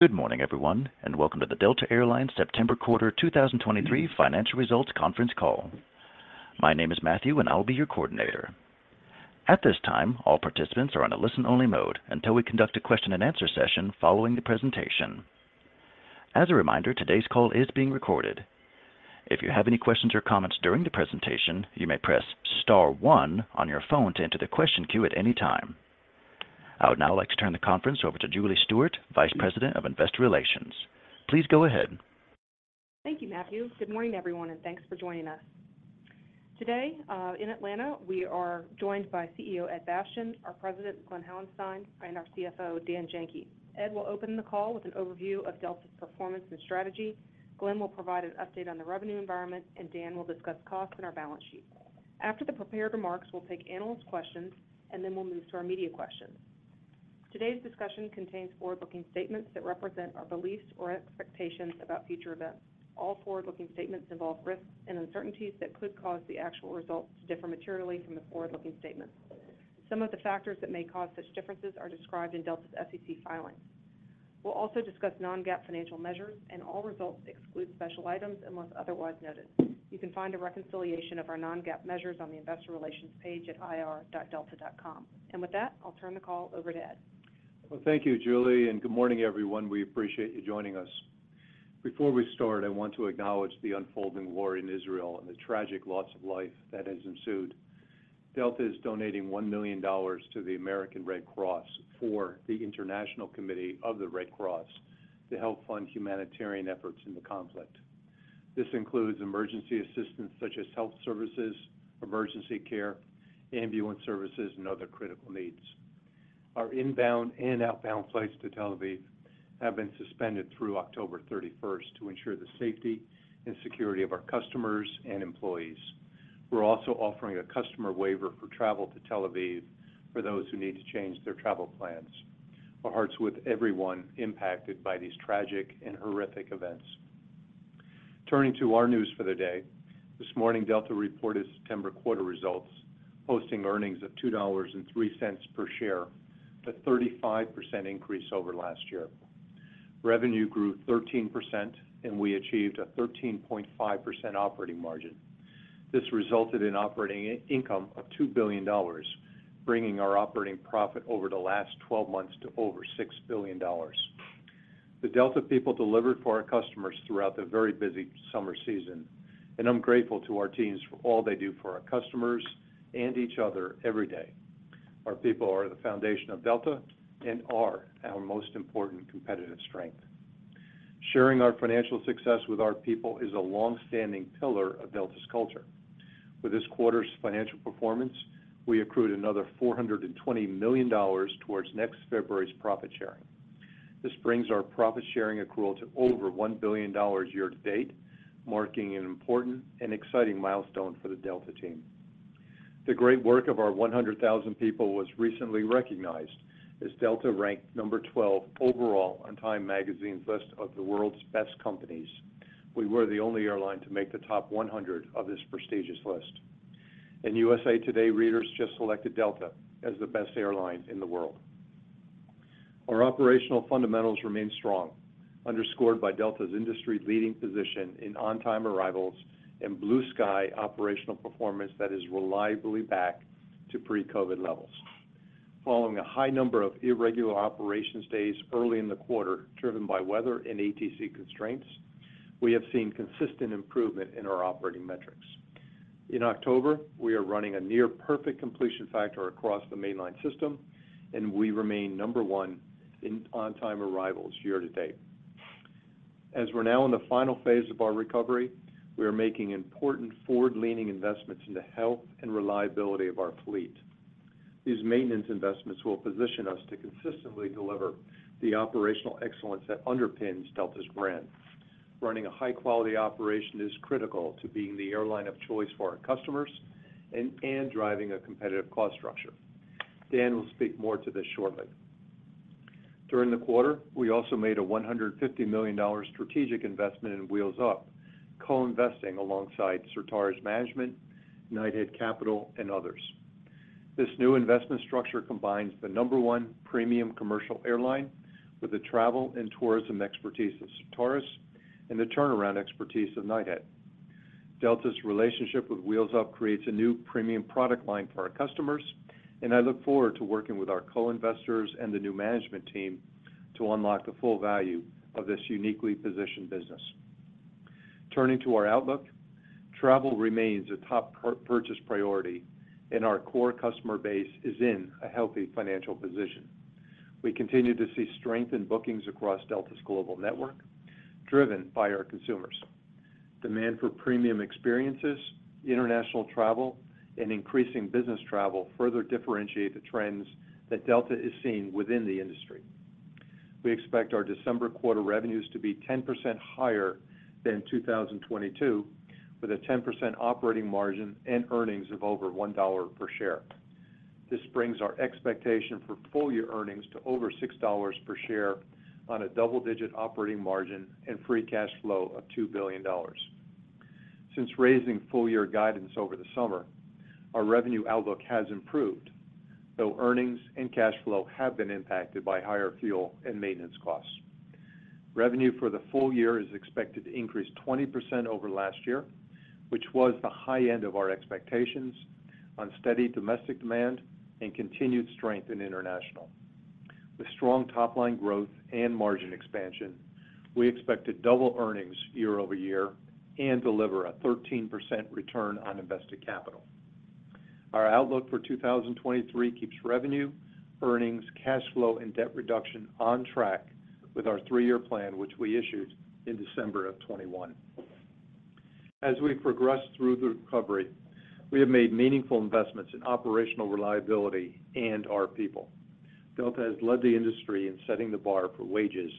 Good morning, everyone, and welcome to the Delta Air Lines September quarter 2023 financial results conference call. My name is Matthew, and I'll be your coordinator. At this time, all participants are on a listen-only mode until we conduct a question-and-answer session following the presentation. As a reminder, today's call is being recorded. If you have any questions or comments during the presentation, you may press star one on your phone to enter the question queue at any time. I would now like to turn the conference over to Julie Stewart, Vice President of Investor Relations. Please go ahead. Thank you, Matthew. Good morning, everyone, and thanks for joining us. Today, in Atlanta, we are joined by CEO Ed Bastian, our President, Glen Hauenstein, and our CFO, Dan Janki. Ed will open the call with an overview of Delta's performance and strategy. Glen will provide an update on the revenue environment, and Dan will discuss costs and our balance sheet. After the prepared remarks, we'll take analysts' questions, and then we'll move to our media questions. Today's discussion contains forward-looking statements that represent our beliefs or expectations about future events. All forward-looking statements involve risks and uncertainties that could cause the actual results to differ materially from the forward-looking statements. Some of the factors that may cause such differences are described in Delta's SEC filings. We'll also discuss non-GAAP financial measures, and all results exclude special items unless otherwise noted. You can find a reconciliation of our non-GAAP measures on the Investor Relations page at ir.delta.com. With that, I'll turn the call over to Ed. Well, thank you, Julie, and good morning, everyone. We appreciate you joining us. Before we start, I want to acknowledge the unfolding war in Israel and the tragic loss of life that has ensued. Delta is donating $1 million to the American Red Cross for the International Committee of the Red Cross to help fund humanitarian efforts in the conflict. This includes emergency assistance such as health services, emergency care, ambulance services, and other critical needs. Our inbound and outbound flights to Tel Aviv have been suspended through October 31st to ensure the safety and security of our customers and employees. We're also offering a customer waiver for travel to Tel Aviv for those who need to change their travel plans. Our hearts are with everyone impacted by these tragic and horrific events. Turning to our news for the day. This morning, Delta reported its September quarter results, posting earnings of $2.03 per share, a 35% increase over last year. Revenue grew 13%, and we achieved a 13.5% operating margin. This resulted in operating income of $2 billion, bringing our operating profit over the last 12 months to over $6 billion. The Delta people delivered for our customers throughout the very busy summer season, and I'm grateful to our teams for all they do for our customers and each other every day. Our people are the foundation of Delta and are our most important competitive strength. Sharing our financial success with our people is a long-standing pillar of Delta's culture. With this quarter's financial performance, we accrued another $420 million towards next February's profit sharing. This brings our profit-sharing accrual to over $1 billion year-to-date, marking an important and exciting milestone for the Delta team. The great work of our 100,000 people was recently recognized as Delta ranked number 12 overall on Time Magazine's list of the World's Best Companies. We were the only airline to make the top 100 of this prestigious list. USA Today readers just selected Delta as the best airline in the world. Our operational fundamentals remain strong, underscored by Delta's industry-leading position in on-time arrivals and Blue Sky operational performance that is reliably back to pre-COVID levels. Following a high number of irregular operations days early in the quarter, driven by weather and ATC constraints, we have seen consistent improvement in our operating metrics. In October, we are running a near-perfect completion factor across the mainline system, and we remain number one in on-time arrivals year-to-date. As we're now in the final phase of our recovery, we are making important forward-leaning investments in the health and reliability of our fleet. These maintenance investments will position us to consistently deliver the operational excellence that underpins Delta's brand. Running a high-quality operation is critical to being the airline of choice for our customers and driving a competitive cost structure. Dan will speak more to this shortly. During the quarter, we also made a $150 million strategic investment in Wheels Up, co-investing alongside Certares management, Knighthead Capital, and others. This new investment structure combines the number one premium commercial airline with the travel and tourism expertise of Certares and the turnaround expertise of Knighthead. Delta's relationship with Wheels Up creates a new premium product line for our customers, and I look forward to working with our co-investors and the new management team to unlock the full value of this uniquely positioned business. Turning to our outlook, travel remains a top purchase priority, and our core customer base is in a healthy financial position. We continue to see strength in bookings across Delta's global network, driven by our consumers. Demand for premium experiences, international travel, and increasing business travel further differentiate the trends that Delta is seeing within the industry. We expect our December quarter revenues to be 10% higher than 2022, with a 10% operating margin and earnings of over $1 per share. This brings our expectation for full-year earnings to over $6 per share on a double-digit operating margin and free cash flow of $2 billion. Since raising full-year guidance over the summer, our revenue outlook has improved, though earnings and cash flow have been impacted by higher fuel and maintenance costs. Revenue for the full-year is expected to increase 20% over last year, which was the high end of our expectations on steady domestic demand and continued strength in international. With strong top-line growth and margin expansion, we expect to double earnings year over year and deliver a 13% return on invested capital. Our outlook for 2023 keeps revenue, earnings, cash flow, and debt reduction on track with our three-year plan, which we issued in December of 2021. As we progress through the recovery, we have made meaningful investments in operational reliability and our people. Delta has led the industry in setting the bar for wages,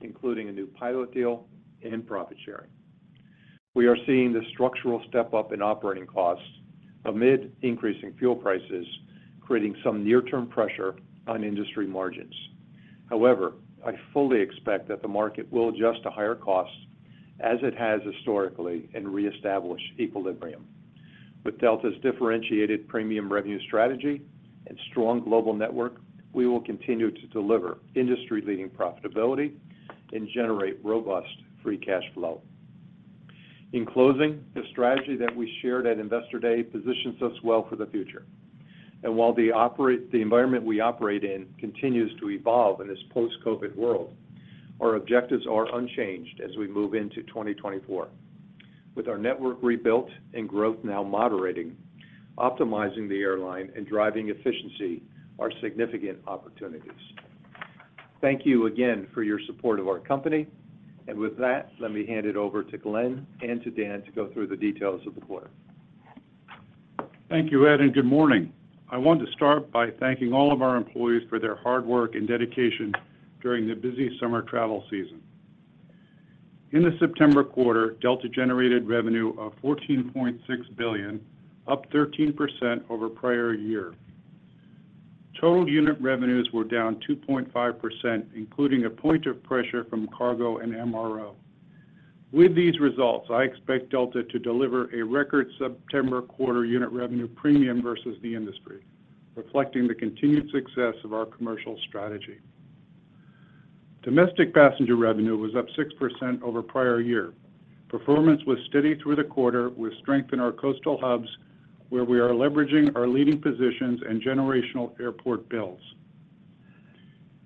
including a new pilot deal and profit sharing. We are seeing the structural step-up in operating costs amid increasing fuel prices, creating some near-term pressure on industry margins. However, I fully expect that the market will adjust to higher costs as it has historically, and reestablish equilibrium. With Delta's differentiated premium revenue strategy and strong global network, we will continue to deliver industry-leading profitability and generate robust free cash flow. In closing, the strategy that we shared at Investor Day positions us well for the future. And while the environment we operate in continues to evolve in this post-COVID world, our objectives are unchanged as we move into 2024. With our network rebuilt and growth now moderating, optimizing the airline and driving efficiency are significant opportunities. Thank you again for your support of our company, and with that, let me hand it over to Glen and to Dan to go through the details of the quarter. Thank you, Ed, and good morning. I want to start by thanking all of our employees for their hard work and dedication during the busy summer travel season. In the September quarter, Delta generated revenue of $14.6 billion, up 13% over prior year. Total unit revenues were down 2.5%, including a point of pressure from cargo and MRO. With these results, I expect Delta to deliver a record September quarter unit revenue premium versus the industry, reflecting the continued success of our commercial strategy. Domestic passenger revenue was up 6% over prior year. Performance was steady through the quarter, with strength in our coastal hubs, where we are leveraging our leading positions and generational airport builds.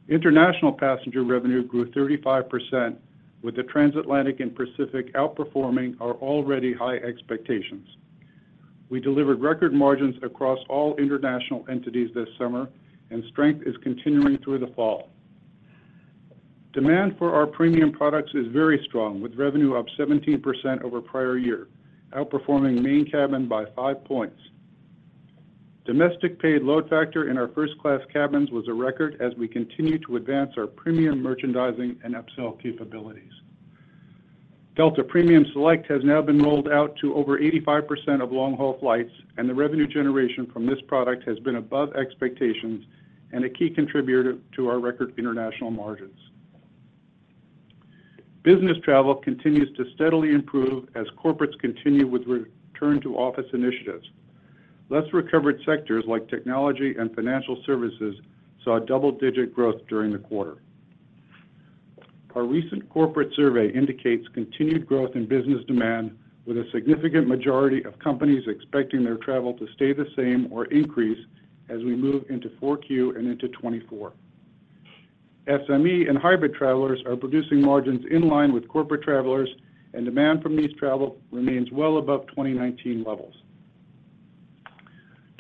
International passenger revenue grew 35%, with the transatlantic and Pacific outperforming our already high expectations. We delivered record margins across all international entities this summer, and strength is continuing through the fall. Demand for our premium products is very strong, with revenue up 17% over prior year, outperforming main cabin by five points. Domestic paid load factor in our first-class cabins was a record as we continue to advance our premium merchandising and upsell capabilities. Delta Premium Select has now been rolled out to over 85% of long-haul flights, and the revenue generation from this product has been above expectations and a key contributor to our record international margins. Business travel continues to steadily improve as corporates continue with return-to-office initiatives. Less recovered sectors like technology and financial services, saw a double-digit growth during the quarter. Our recent corporate survey indicates continued growth in business demand, with a significant majority of companies expecting their travel to stay the same or increase as we move into Q4 and into 2024. SME and hybrid travelers are producing margins in line with corporate travelers, and demand from these travelers remains well above 2019 levels.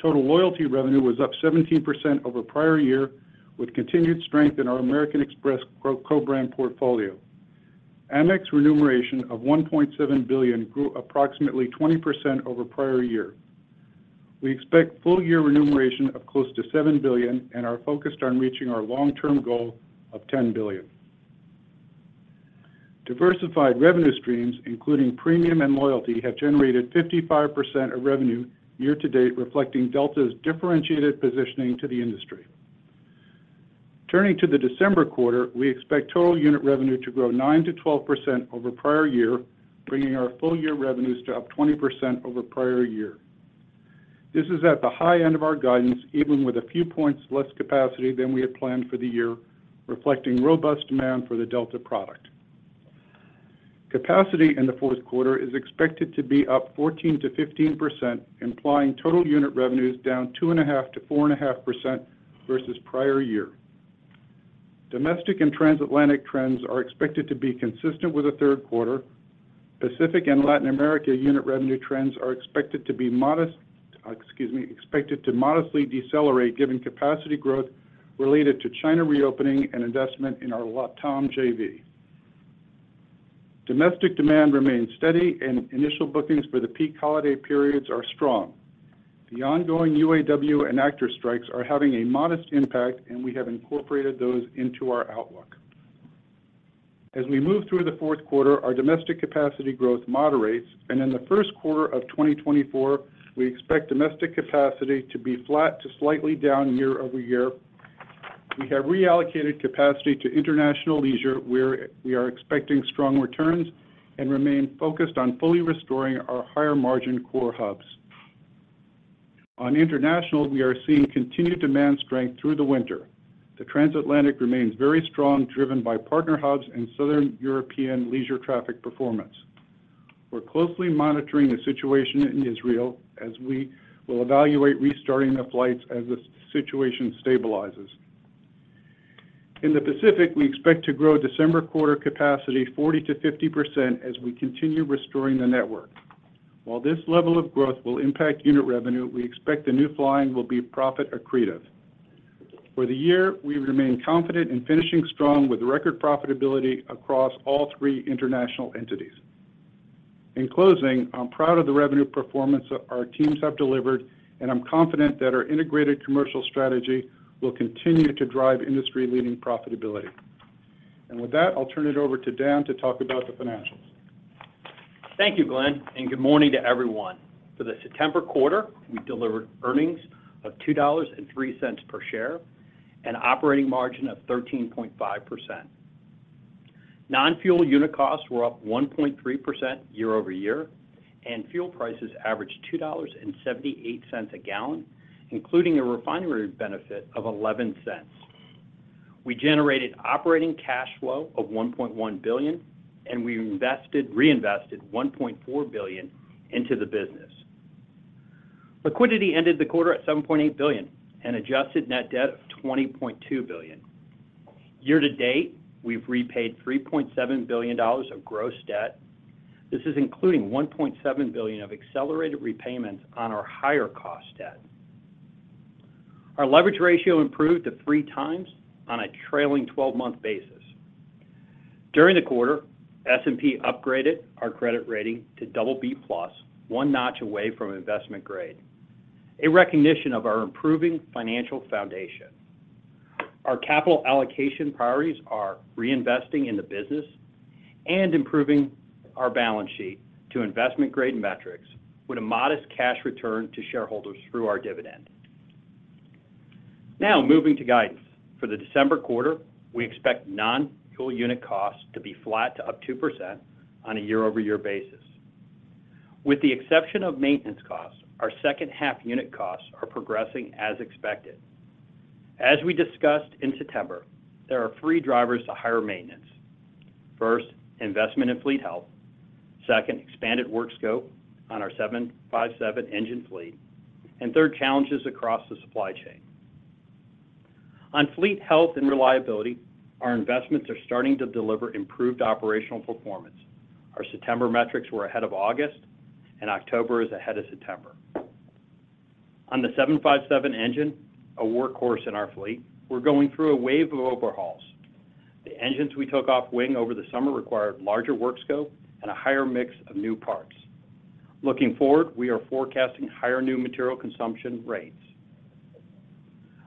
Total loyalty revenue was up 17% over prior year, with continued strength in our American Express co-brand portfolio. Amex remuneration of $1.7 billion grew approximately 20% over prior year. We expect full-year remuneration of close to $7 billion and are focused on reaching our long-term goal of $10 billion. Diversified revenue streams, including premium and loyalty, have generated 55% of revenue year-to-date, reflecting Delta's differentiated positioning to the industry. Turning to the December quarter, we expect total unit revenue to grow 9%-12% over prior year, bringing our full-year revenues to up 20% over prior year. This is at the high end of our guidance, even with a few points less capacity than we had planned for the year, reflecting robust demand for the Delta product. Capacity in the fourth quarter is expected to be up 14%-15%, implying total unit revenues down 2.5%-4.5% versus prior year. Domestic and transatlantic trends are expected to be consistent with the third quarter. Pacific and Latin America unit revenue trends are expected to modestly decelerate, given capacity growth related to China reopening and investment in our LATAM JV. Domestic demand remains steady, and initial bookings for the peak holiday periods are strong. The ongoing UAW and actor strikes are having a modest impact, and we have incorporated those into our outlook. As we move through the fourth quarter, our domestic capacity growth moderates, and in the first quarter of 2024, we expect domestic capacity to be flat to slightly down year-over-year. We have reallocated capacity to international leisure, where we are expecting strong returns and remain focused on fully restoring our higher margin core hubs. On international, we are seeing continued demand strength through the winter. The transatlantic remains very strong, driven by partner hubs and Southern European leisure traffic performance. We're closely monitoring the situation in Israel, as we will evaluate restarting the flights as the situation stabilizes. In the Pacific, we expect to grow December quarter capacity 40%-50% as we continue restoring the network. While this level of growth will impact unit revenue, we expect the new flying will be profit accretive. For the year, we remain confident in finishing strong with record profitability across all three international entities. In closing, I'm proud of the revenue performance our teams have delivered, and I'm confident that our integrated commercial strategy will continue to drive industry-leading profitability. And with that, I'll turn it over to Dan to talk about the financials. Thank you, Glen, and good morning to everyone. For the September quarter, we delivered earnings of $2.03 per share and operating margin of 13.5%. Non-fuel unit costs were up 1.3% year-over-year, and fuel prices averaged $2.78 a gallon, including a refinery benefit of $0.11. We generated operating cash flow of $1.1 billion, and we reinvested $1.4 billion into the business. Liquidity ended the quarter at $7.8 billion and adjusted net debt of $20.2 billion. Year to date, we've repaid $3.7 billion of gross debt. This is including $1.7 billion of accelerated repayments on our higher cost debt. Our leverage ratio improved to 3.0x on a trailing 12-month basis. During the quarter, S&P upgraded our credit rating to BB+, one notch away from investment grade, a recognition of our improving financial foundation. Our capital allocation priorities are reinvesting in the business and improving our balance sheet to investment-grade metrics with a modest cash return to shareholders through our dividend. Now, moving to guidance. For the December quarter, we expect non-fuel unit costs to be flat to up 2% on a year-over-year basis. With the exception of maintenance costs, our second half unit costs are progressing as expected. As we discussed in September, there are three drivers to higher maintenance. First, investment in fleet health. Second, expanded work scope on our 757 engine fleet. And third, challenges across the supply chain. On fleet health and reliability, our investments are starting to deliver improved operational performance. Our September metrics were ahead of August, and October is ahead of September. On the 757 engine, a workhorse in our fleet, we're going through a wave of overhauls. The engines we took off wing over the summer required larger work scope and a higher mix of new parts. Looking forward, we are forecasting higher new material consumption rates.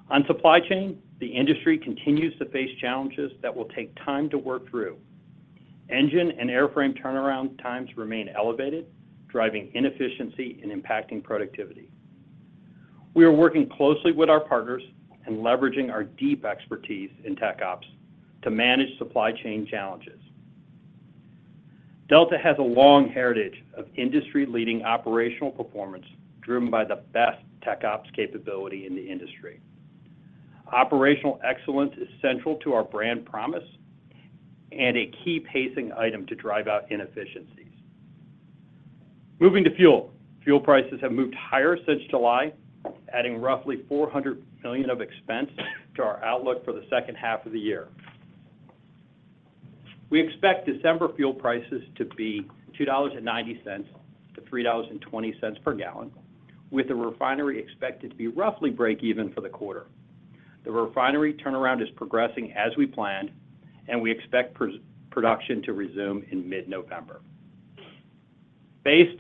On supply chain, the industry continues to face challenges that will take time to work through. Engine and airframe turnaround times remain elevated, driving inefficiency and impacting productivity. We are working closely with our partners and leveraging our deep expertise in TechOps to manage supply chain challenges. Delta has a long heritage of industry-leading operational performance, driven by the best TechOps capability in the industry. Operational excellence is central to our brand promise and a key pacing item to drive out inefficiencies. Moving to fuel. Fuel prices have moved higher since July, adding roughly $400 million of expense to our outlook for the second half of the year. We expect December fuel prices to be $2.90-$3.20 per gallon, with the refinery expected to be roughly break even for the quarter. The refinery turnaround is progressing as we planned, and we expect production to resume in mid-November. Based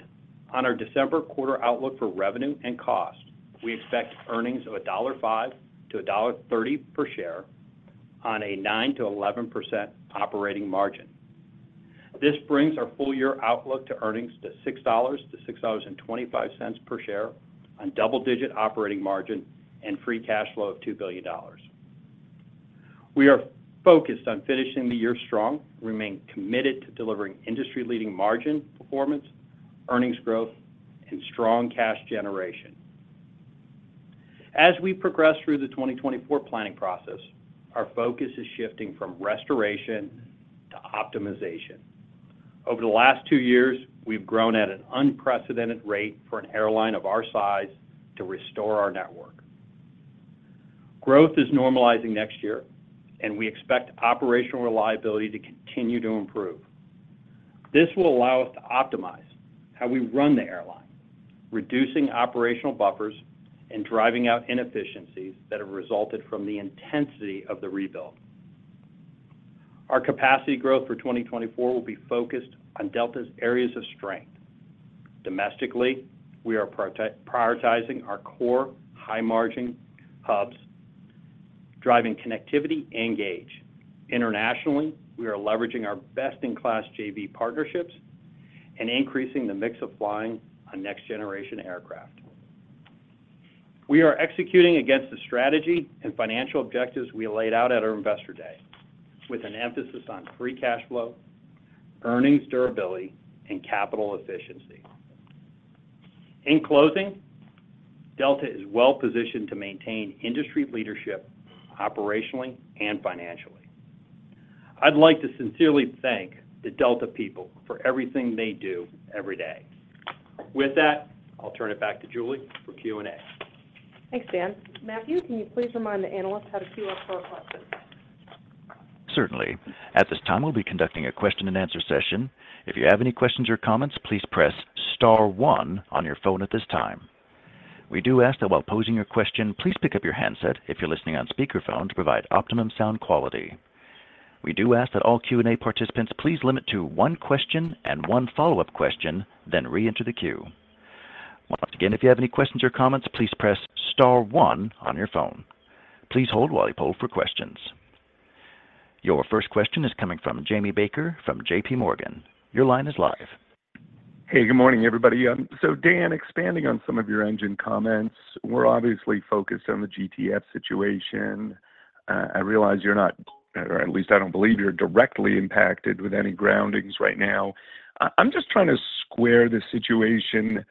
on our December quarter outlook for revenue and cost, we expect earnings of $1.05-$1.30 per share on a 9%-11% operating margin. This brings our full-year outlook to earnings to $6.00-$6.25 per share on double-digit operating margin and free cash flow of $2 billion. We are focused on finishing the year strong. We remain committed to delivering industry-leading margin, performance, earnings growth, and strong cash generation. As we progress through the 2024 planning process, our focus is shifting from restoration to optimization. Over the last two years, we've grown at an unprecedented rate for an airline of our size to restore our network. Growth is normalizing next year, and we expect operational reliability to continue to improve. This will allow us to optimize how we run the airline, reducing operational buffers and driving out inefficiencies that have resulted from the intensity of the rebuild. Our capacity growth for 2024 will be focused on Delta's areas of strength. Domestically, we are prioritizing our core high-margin hubs, driving connectivity and gauge. Internationally, we are leveraging our best-in-class JV partnerships... and increasing the mix of flying on next generation aircraft. We are executing against the strategy and financial objectives we laid out at our Investor Day, with an emphasis on free cash flow, earnings durability, and capital efficiency. In closing, Delta is well-positioned to maintain industry leadership operationally and financially. I'd like to sincerely thank the Delta people for everything they do every day. With that, I'll turn it back to Julie for Q&A. Thanks, Dan. Matthew, can you please remind the analyst how to queue up for questions? Certainly. At this time, we'll be conducting a question and answer session. If you have any questions or comments, please press star one on your phone at this time. We do ask that while posing your question, please pick up your handset if you're listening on speaker phone to provide optimum sound quality. We do ask that all Q&A participants, please limit to one question and one follow-up question, then reenter the queue. Once again, if you have any questions or comments, please press star one on your phone. Please hold while we poll for questions. Your first question is coming from Jamie Baker, from JP Morgan. Your line is live. Hey, good morning, everybody. So Dan, expanding on some of your engine comments, we're obviously focused on the GTF situation. I realize you're not, or at least I don't believe you're directly impacted with any groundings right now. I'm just trying to square the situation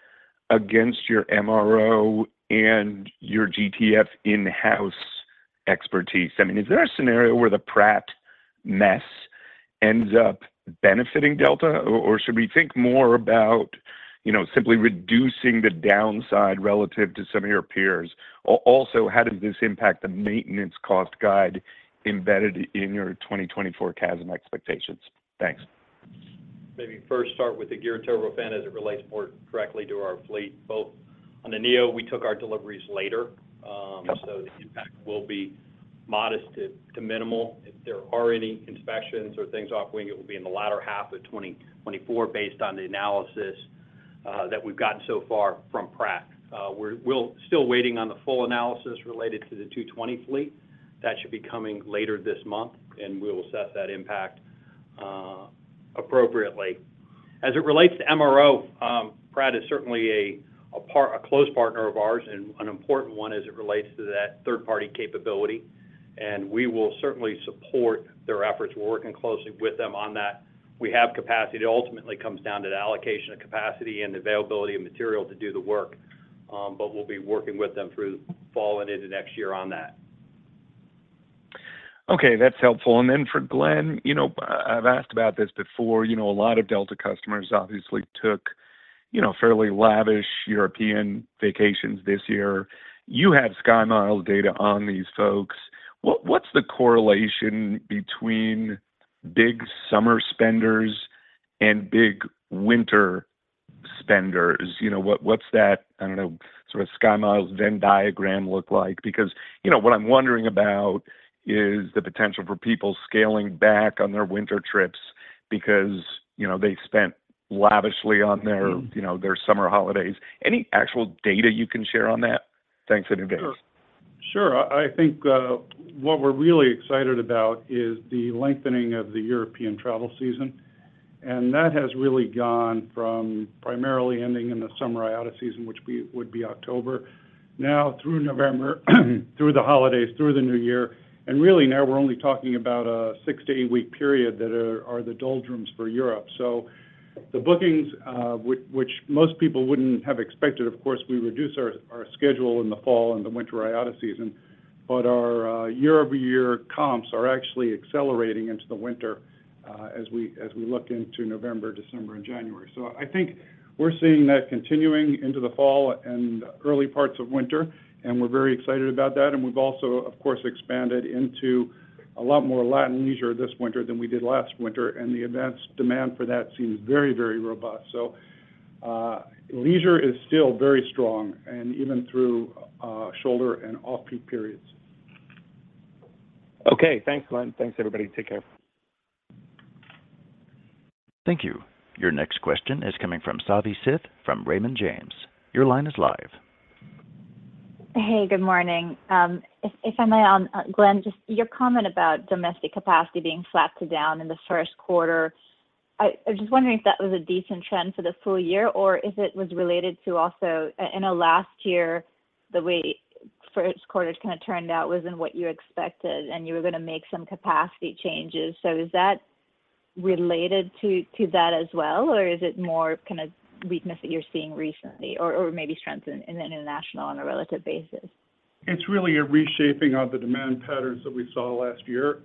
against your MRO and your GTF in-house expertise. I mean, is there a scenario where the Pratt mess ends up benefiting Delta? Or, or should we think more about, you know, simply reducing the downside relative to some of your peers? Also, how does this impact the maintenance cost guide embedded in your 2024 CASM expectations? Thanks. Maybe first start with the Geared Turbofan as it relates more directly to our fleet. Both on the Neo, we took our deliveries later, so the impact will be modest to minimal. If there are any inspections or things off wing, it will be in the latter half of 2024, based on the analysis that we've gotten so far from Pratt. We're still waiting on the full analysis related to the A220 fleet. That should be coming later this month, and we'll assess that impact appropriately. As it relates to MRO, Pratt is certainly a close partner of ours and an important one as it relates to that third-party capability, and we will certainly support their efforts. We're working closely with them on that. We have capacity. It ultimately comes down to the allocation of capacity and availability of material to do the work. But we'll be working with them through fall and into next year on that. Okay, that's helpful. And then for Glen, you know, I've asked about this before. You know, a lot of Delta customers obviously took, you know, fairly lavish European vacations this year. You have SkyMiles data on these folks. What, what's the correlation between big summer spenders and big winter spenders? You know, what, what's that, I don't know, sort of SkyMiles Venn diagram look like? Because, you know, what I'm wondering about is the potential for people scaling back on their winter trips because, you know, they spent lavishly on their you know, their summer holidays. Any actual data you can share on that? Thanks, and good day. Sure. I think what we're really excited about is the lengthening of the European travel season, and that has really gone from primarily ending in the summer IATA season, which we would be October, now through November, through the holidays, through the new year, and really now we're only talking about a 6-8 week period that are the doldrums for Europe. The bookings, which most people wouldn't have expected, of course, we reduce our schedule in the fall and the winter IATA season, but our year-over-year comps are actually accelerating into the winter as we look into November, December, and January. I think we're seeing that continuing into the fall and early parts of winter, and we're very excited about that. We've also, of course, expanded into a lot more Latin leisure this winter than we did last winter, and the advanced demand for that seems very, very robust. So, leisure is still very strong and even through, shoulder and off-peak periods. Okay. Thanks, Glen. Thanks, everybody. Take care. Thank you. Your next question is coming from Savi Syth from Raymond James. Your line is live. Hey, good morning. If I may, Glen, just your comment about domestic capacity being flat to down in the first quarter, I was just wondering if that was a decent trend for the full-year, or if it was related to also. I know last year, the way first quarter kind of turned out wasn't what you expected, and you were gonna make some capacity changes. So is that related to that as well, or is it more kind of weakness that you're seeing recently, or maybe strength in international on a relative basis? It's really a reshaping of the demand patterns that we saw last year.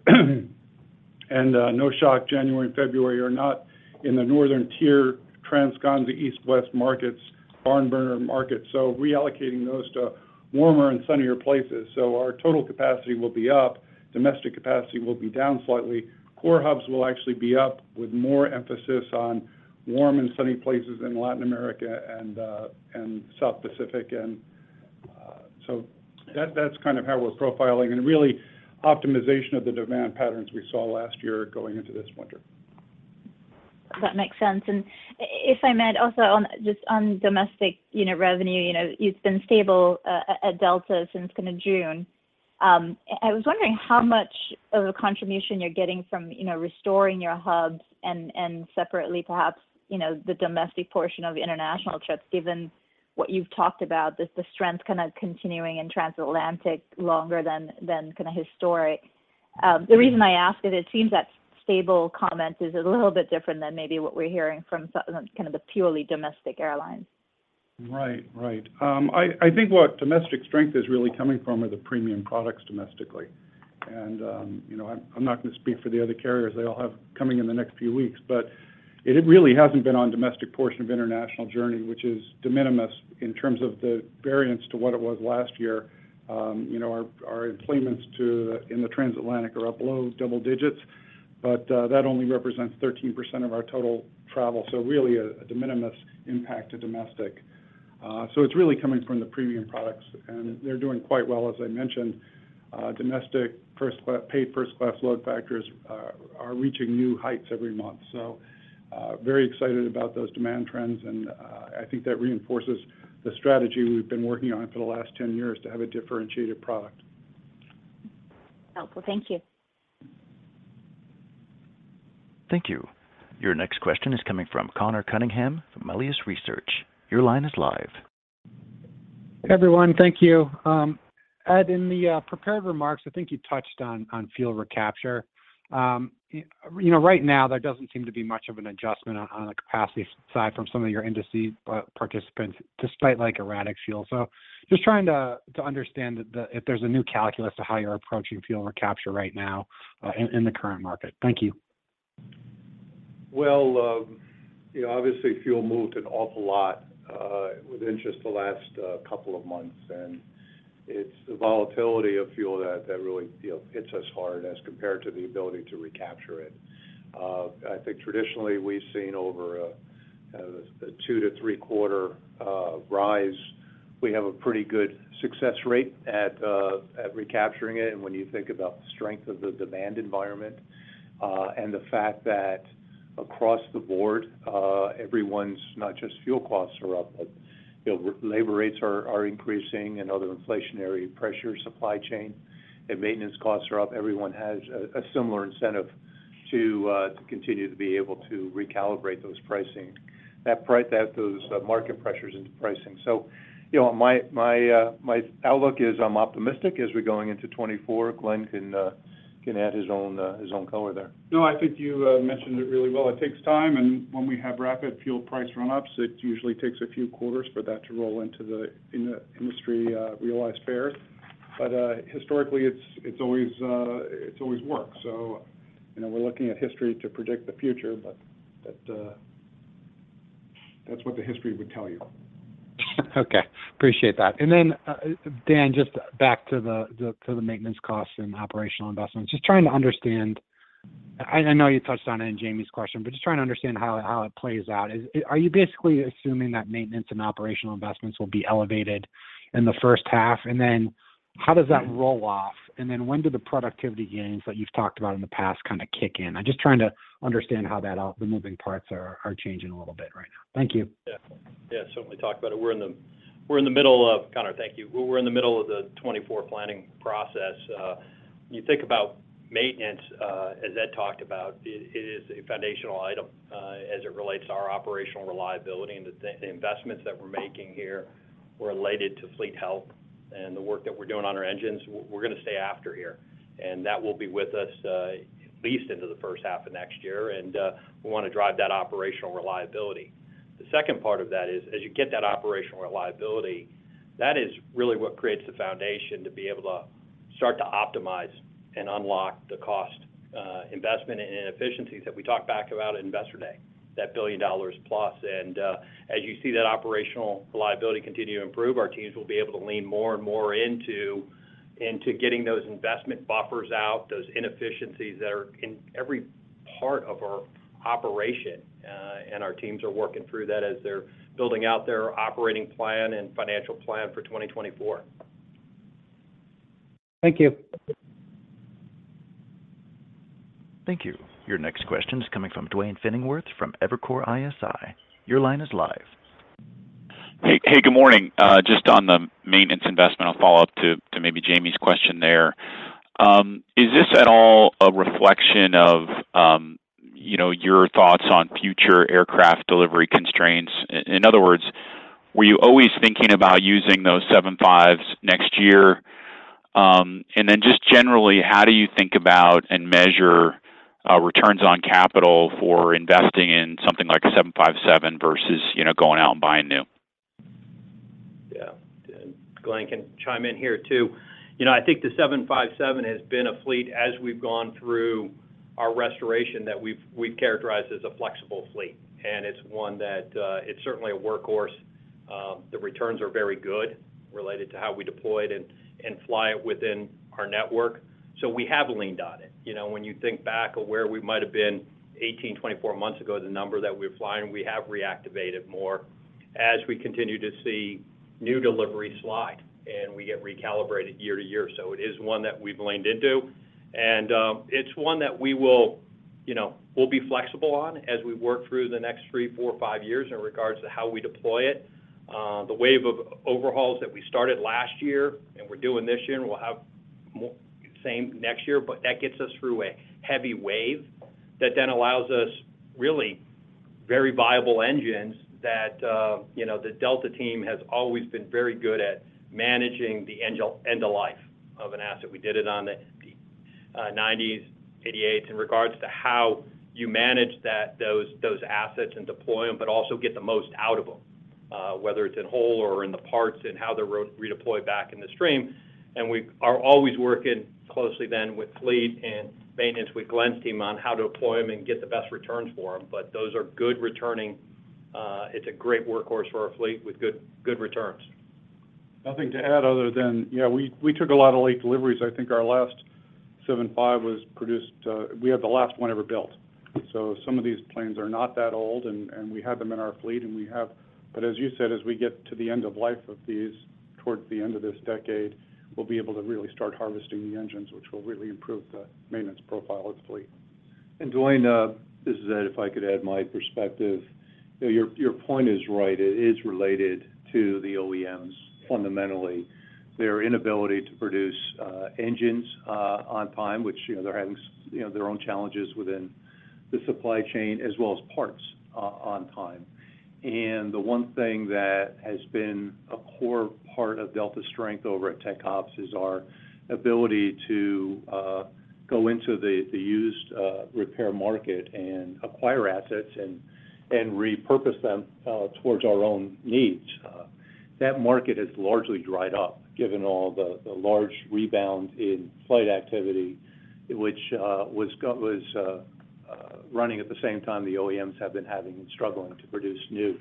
No shock, January and February are not in the northern tier, transcon, East-West markets, barnburner markets, so reallocating those to warmer and sunnier places. So our total capacity will be up, domestic capacity will be down slightly. Core hubs will actually be up with more emphasis on warm and sunny places in Latin America and, and South Pacific. So that, that's kind of how we're profiling, and really, optimization of the demand patterns we saw last year going into this winter. That makes sense. And if I might, also on, just on domestic unit revenue, you know, it's been stable at Delta since kind of June. I was wondering how much of a contribution you're getting from, you know, restoring your hubs and, separately, perhaps, you know, the domestic portion of international trips, given what you've talked about, this, the strength kind of continuing in transatlantic longer than kind of historic. The reason I ask is it seems that stable comment is a little bit different than maybe what we're hearing from so, kind of the purely domestic airlines. Right. Right. I think what domestic strength is really coming from are the premium products domestically. And, you know, I'm not gonna speak for the other carriers. They all have coming in the next few weeks, but it really hasn't been on domestic portion of international journey, which is de minimis in terms of the variance to what it was last year. You know, our enplanements to in the transatlantic are up low double digits, but that only represents 13% of our total travel, so really a de minimis impact to domestic. So it's really coming from the premium products, and they're doing quite well. As I mentioned, domestic first class, paid first class load factors, are reaching new heights every month. Very excited about those demand trends, and I think that reinforces the strategy we've been working on for the last 10 years to have a differentiated product. Helpful. Thank you. Thank you. Your next question is coming from Connor Cunningham from Melius Research. Your line is live. Everyone, thank you. Ed, in the prepared remarks, I think you touched on fuel recapture. You know, right now, there doesn't seem to be much of an adjustment on the capacity side from some of your industry participants, despite, like, erratic fuel. So just trying to understand if there's a new calculus to how you're approaching fuel recapture right now, in the current market. Thank you. Well, you know, obviously, fuel moved an awful lot within just the last couple of months, and it's the volatility of fuel that really, you know, hits us hard as compared to the ability to recapture it. I think traditionally, we've seen over a two- to three-quarter rise. We have a pretty good success rate at recapturing it. When you think about the strength of the demand environment, and the fact that across the board, everyone's not just fuel costs are up, but, you know, labor rates are increasing and other inflationary pressure, supply chain and maintenance costs are up, everyone has a similar incentive to continue to be able to recalibrate those pricing. That those market pressures into pricing. So, you know, my outlook is I'm optimistic as we're going into 2024. Glen can add his own color there. No, I think you mentioned it really well. It takes time, and when we have rapid fuel price run-ups, it usually takes a few quarters for that to roll into the industry realized fares. But historically, it's always worked. So, you know, we're looking at history to predict the future, but that's what the history would tell you. Okay. Appreciate that. And then, Dan, just back to the maintenance costs and operational investments. Just trying to understand. I know you touched on it in Jamie's question, but just trying to understand how it plays out. Are you basically assuming that maintenance and operational investments will be elevated in the first half? And then how does that roll off? And then when do the productivity gains that you've talked about in the past kind of kick in? I'm just trying to understand how that all—the moving parts are changing a little bit right now. Thank you. Yeah, certainly talk about it. We're in the middle of... Connor, thank you. We're in the middle of the 2024 planning process. When you think about maintenance, as Ed talked about, it is a foundational item as it relates to our operational reliability. The investments that we're making here were related to fleet health and the work that we're doing on our engines, we're gonna stay after here, and that will be with us at least into the first half of next year, and we wanna drive that operational reliability. The second part of that is, as you get that operational reliability, that is really what creates the foundation to be able to start to optimize and unlock the cost, investment and inefficiencies that we talked back about at Investor Day, that $1 billion plus. As you see that operational reliability continue to improve, our teams will be able to lean more and more into getting those investment buffers out, those inefficiencies that are in every part of our operation. Our teams are working through that as they're building out their operating plan and financial plan for 2024. Thank you. Thank you. Your next question is coming from Duane Pfennigwerth from Evercore ISI. Your line is live. Hey, hey, good morning. Just on the maintenance investment, I'll follow up to maybe Jamie's question there. Is this at all a reflection of, you know, your thoughts on future aircraft delivery constraints? In other words, were you always thinking about using those 757s next year? And then just generally, how do you think about and measure returns on capital for investing in something like a 757 versus, you know, going out and buying new? Yeah. And Glen can chime in here, too. You know, I think the 757 has been a fleet as we've gone through our restoration that we've characterized as a flexible fleet, and it's one that it's certainly a workhorse. The returns are very good related to how we deploy it and fly it within our network, so we have leaned on it. You know, when you think back on where we might have been 18, 24 months ago, the number that we're flying, we have reactivated more as we continue to see new deliveries slide, and we get recalibrated year to year. So it is one that we've leaned into, and it's one that we will you know, we'll be flexible on as we work through the next three, four, five years in regards to how we deploy it. The wave of overhauls that we started last year, and we're doing this year, and we'll have more—same next year, but that gets us through a heavy wave that then allows us really very viable engines that, you know, the Delta team has always been very good at managing the end-of-life of an asset. We did it on the nineties, eighty-eights, in regards to how you manage those assets and deploy them, but also get the most out of them, whether it's in whole or in the parts and how they're redeployed back in the stream. And we are always working closely then with fleet and maintenance, with Glen's team, on how to deploy them and get the best returns for them. But those are good returning. It's a great workhorse for our fleet with good, good returns. Nothing to add other than, yeah, we took a lot of late deliveries. I think our last 757 was produced. We had the last one ever built. So some of these planes are not that old, and we had them in our fleet, and we have - But as you said, as we get to the end of life of these, towards the end of this decade, we'll be able to really start harvesting the engines, which will really improve the maintenance profile of the fleet. And Duane, this is Ed, if I could add my perspective. You know, your, your point is right. It is related to the OEMs, fundamentally. Their inability to produce, engines, on time, which, you know, they're having, you know, their own challenges within the supply chain, as well as parts on time. And the one thing that has been a core part of Delta's strength over at TechOps is our ability to, go into the, the used, repair market and acquire assets and, and repurpose them, towards our own needs. That market has largely dried up, given all the, the large rebound in flight activity, which was running at the same time the OEMs have been having and struggling to produce new.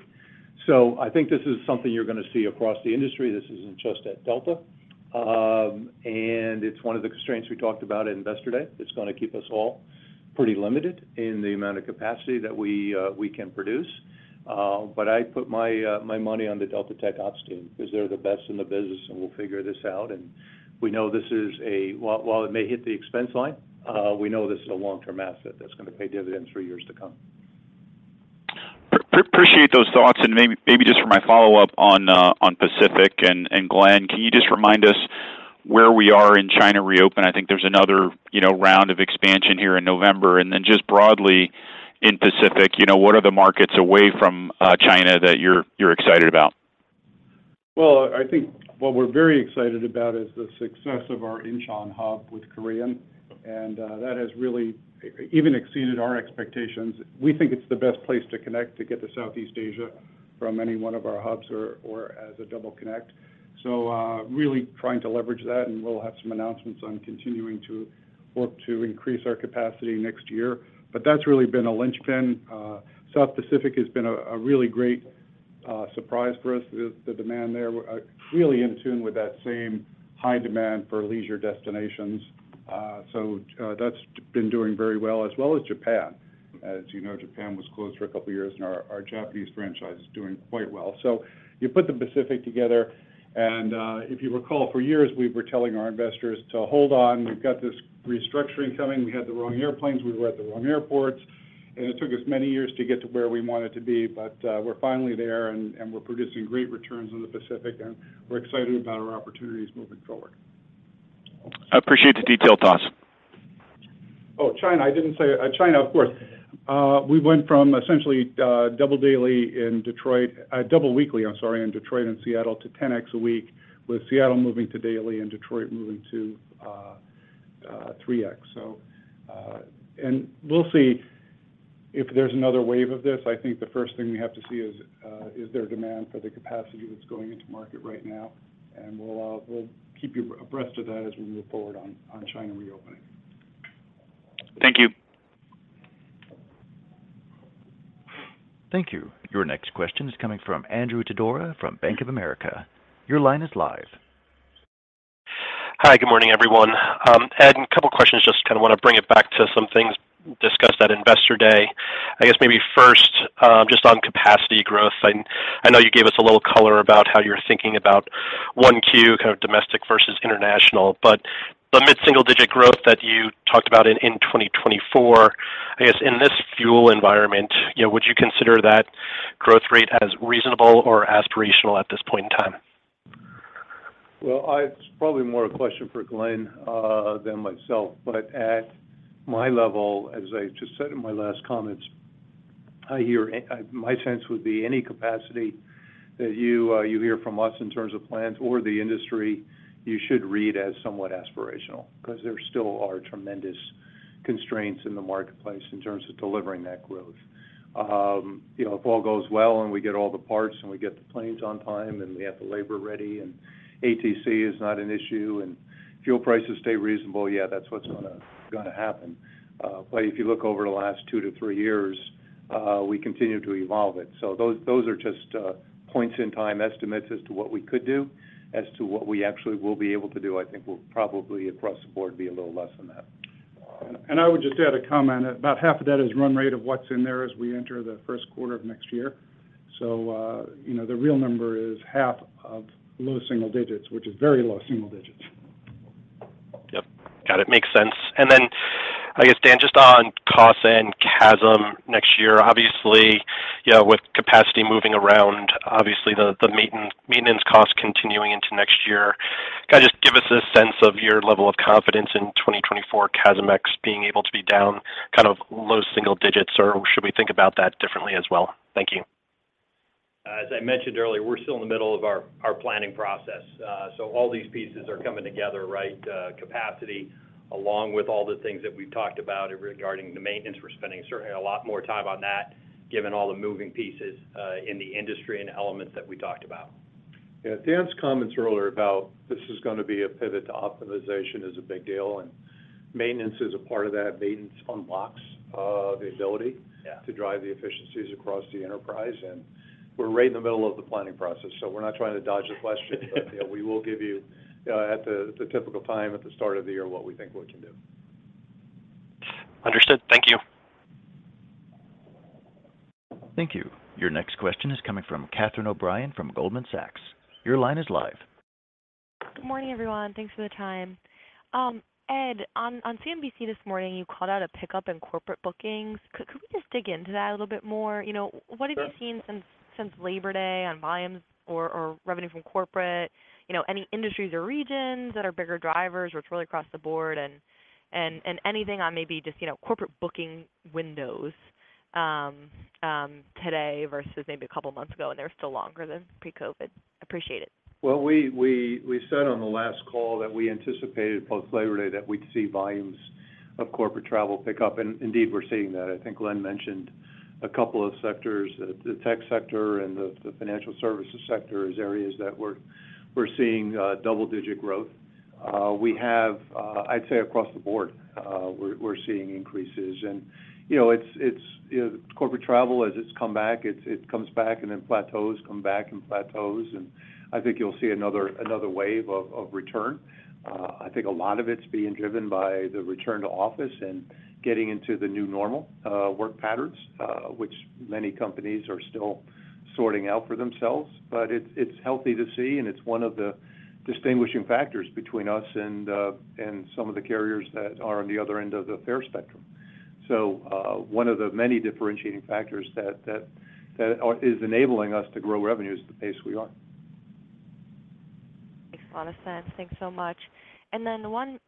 So I think this is something you're gonna see across the industry. This isn't just at Delta. And it's one of the constraints we talked about at Investor Day. It's gonna keep us all pretty limited in the amount of capacity that we, we can produce. But I put my, my money on the Delta TechOps team, because they're the best in the business, and we'll figure this out. And we know this is a... While, while it may hit the expense line, we know this is a long-term asset that's gonna pay dividends for years to come. Appreciate those thoughts. Maybe just for my follow-up on Pacific and Glen, can you just remind us where we are in China reopen? I think there's another, you know, round of expansion here in November. And then just broadly, in Pacific, you know, what are the markets away from China that you're excited about? Well, I think what we're very excited about is the success of our Incheon hub with Korean, and that has really even exceeded our expectations. We think it's the best place to connect to get to Southeast Asia from any one of our hubs or as a double connect. So, really trying to leverage that, and we'll have some announcements on continuing to work to increase our capacity next year. But that's really been a linchpin. South Pacific has been a really great surprise for us. The demand there really in tune with that same high demand for leisure destinations. So, that's been doing very well, as well as Japan. As you know, Japan was closed for a couple of years, and our Japanese franchise is doing quite well. So you put the Pacific together, and if you recall, for years, we were telling our investors to hold on. We've got this restructuring coming. We had the wrong airplanes, we were at the wrong airports, and it took us many years to get to where we wanted to be, but we're finally there, and we're producing great returns on the Pacific, and we're excited about our opportunities moving forward. I appreciate the detailed thoughts. Oh, China, I didn't say, China, of course. We went from essentially double daily in Detroit, double weekly, I'm sorry, in Detroit and Seattle, to 10x a week, with Seattle moving to daily and Detroit moving to 3x. So, and we'll see if there's another wave of this. I think the first thing we have to see is, is there demand for the capacity that's going into market right now? And we'll keep you abreast of that as we move forward on China reopening. Thank you. Thank you. Your next question is coming from Andrew Todora from Bank of America. Your line is live. Hi, good morning, everyone. Ed, a couple of questions, just kind of want to bring it back to some things discussed at Investor Day. I guess maybe first, just on capacity growth. I know you gave us a little color about how you're thinking about 1Q, kind of domestic versus international, but the mid-single-digit growth that you talked about in 2024, I guess in this fuel environment, you know, would you consider that growth rate as reasonable or aspirational at this point in time? Well, it's probably more a question for Glen than myself, but at my level, as I just said in my last comments, I hear my sense would be any capacity that you you hear from us in terms of plans or the industry, you should read as somewhat aspirational because there still are tremendous constraints in the marketplace in terms of delivering that growth. You know, if all goes well, and we get all the parts, and we get the planes on time, and we have the labor ready, and ATC is not an issue, and fuel prices stay reasonable, yeah, that's what's gonna happen. But if you look over the last two to three years, we continue to evolve it. So those are just points in time, estimates as to what we could do. As to what we actually will be able to do, I think we'll probably, across the board, be a little less than that. I would just add a comment. About half of that is run rate of what's in there as we enter the first quarter of next year. So, you know, the real number is half of low single digits, which is very low single digits. Yep. Got it. Makes sense. And then I guess, Dan, just on costs and CASM next year, obviously, yeah, with capacity moving around, obviously, the maintenance costs continuing into next year. Kind of just give us a sense of your level of confidence in 2024 CASM ex being able to be down kind of low single digits, or should we think about that differently as well? Thank you. As I mentioned earlier, we're still in the middle of our planning process, so all these pieces are coming together, right? Capacity, along with all the things that we've talked about regarding the maintenance. We're spending certainly a lot more time on that, given all the moving pieces, in the industry and elements that we talked about. Yeah, Dan's comments earlier about this is gonna be a pivot to optimization is a big deal, and maintenance is a part of that. Maintenance unlocks the ability to drive the efficiencies across the enterprise, and we're right in the middle of the planning process, so we're not trying to dodge the question. But, you know, we will give you at the typical time, at the start of the year, what we think we can do. Understood. Thank you. Thank you. Your next question is coming from Catherine O'Brien from Goldman Sachs. Your line is live. Good morning, everyone. Thanks for the time. Ed, on CNBC this morning, you called out a pickup in corporate bookings. Could we just dig into that a little bit more? You know. Sure. What have you seen since Labor Day on volumes or revenue from corporate? You know, any industries or regions that are bigger drivers, or it's really across the board? And anything on maybe just, you know, corporate booking windows today versus maybe a couple months ago, and they're still longer than pre-COVID. Appreciate it. Well, we said on the last call that we anticipated post-Labor Day that we'd see volumes of corporate travel pick up, and indeed, we're seeing that. I think Glen mentioned a couple of sectors, the tech sector and the financial services sector, as areas that we're seeing double-digit growth. I'd say across the board, we're seeing increases. And, you know, it's corporate travel, as it's come back, it comes back and then plateaus, come back and plateaus, and I think you'll see another wave of return. I think a lot of it's being driven by the return to office and getting into the new normal work patterns, which many companies are still sorting out for themselves. But it's healthy to see, and it's one of the distinguishing factors between us and some of the carriers that are on the other end of the fare spectrum. So, one of the many differentiating factors that is enabling us to grow revenues the pace we are. Makes a lot of sense. Thanks so much. And then the one...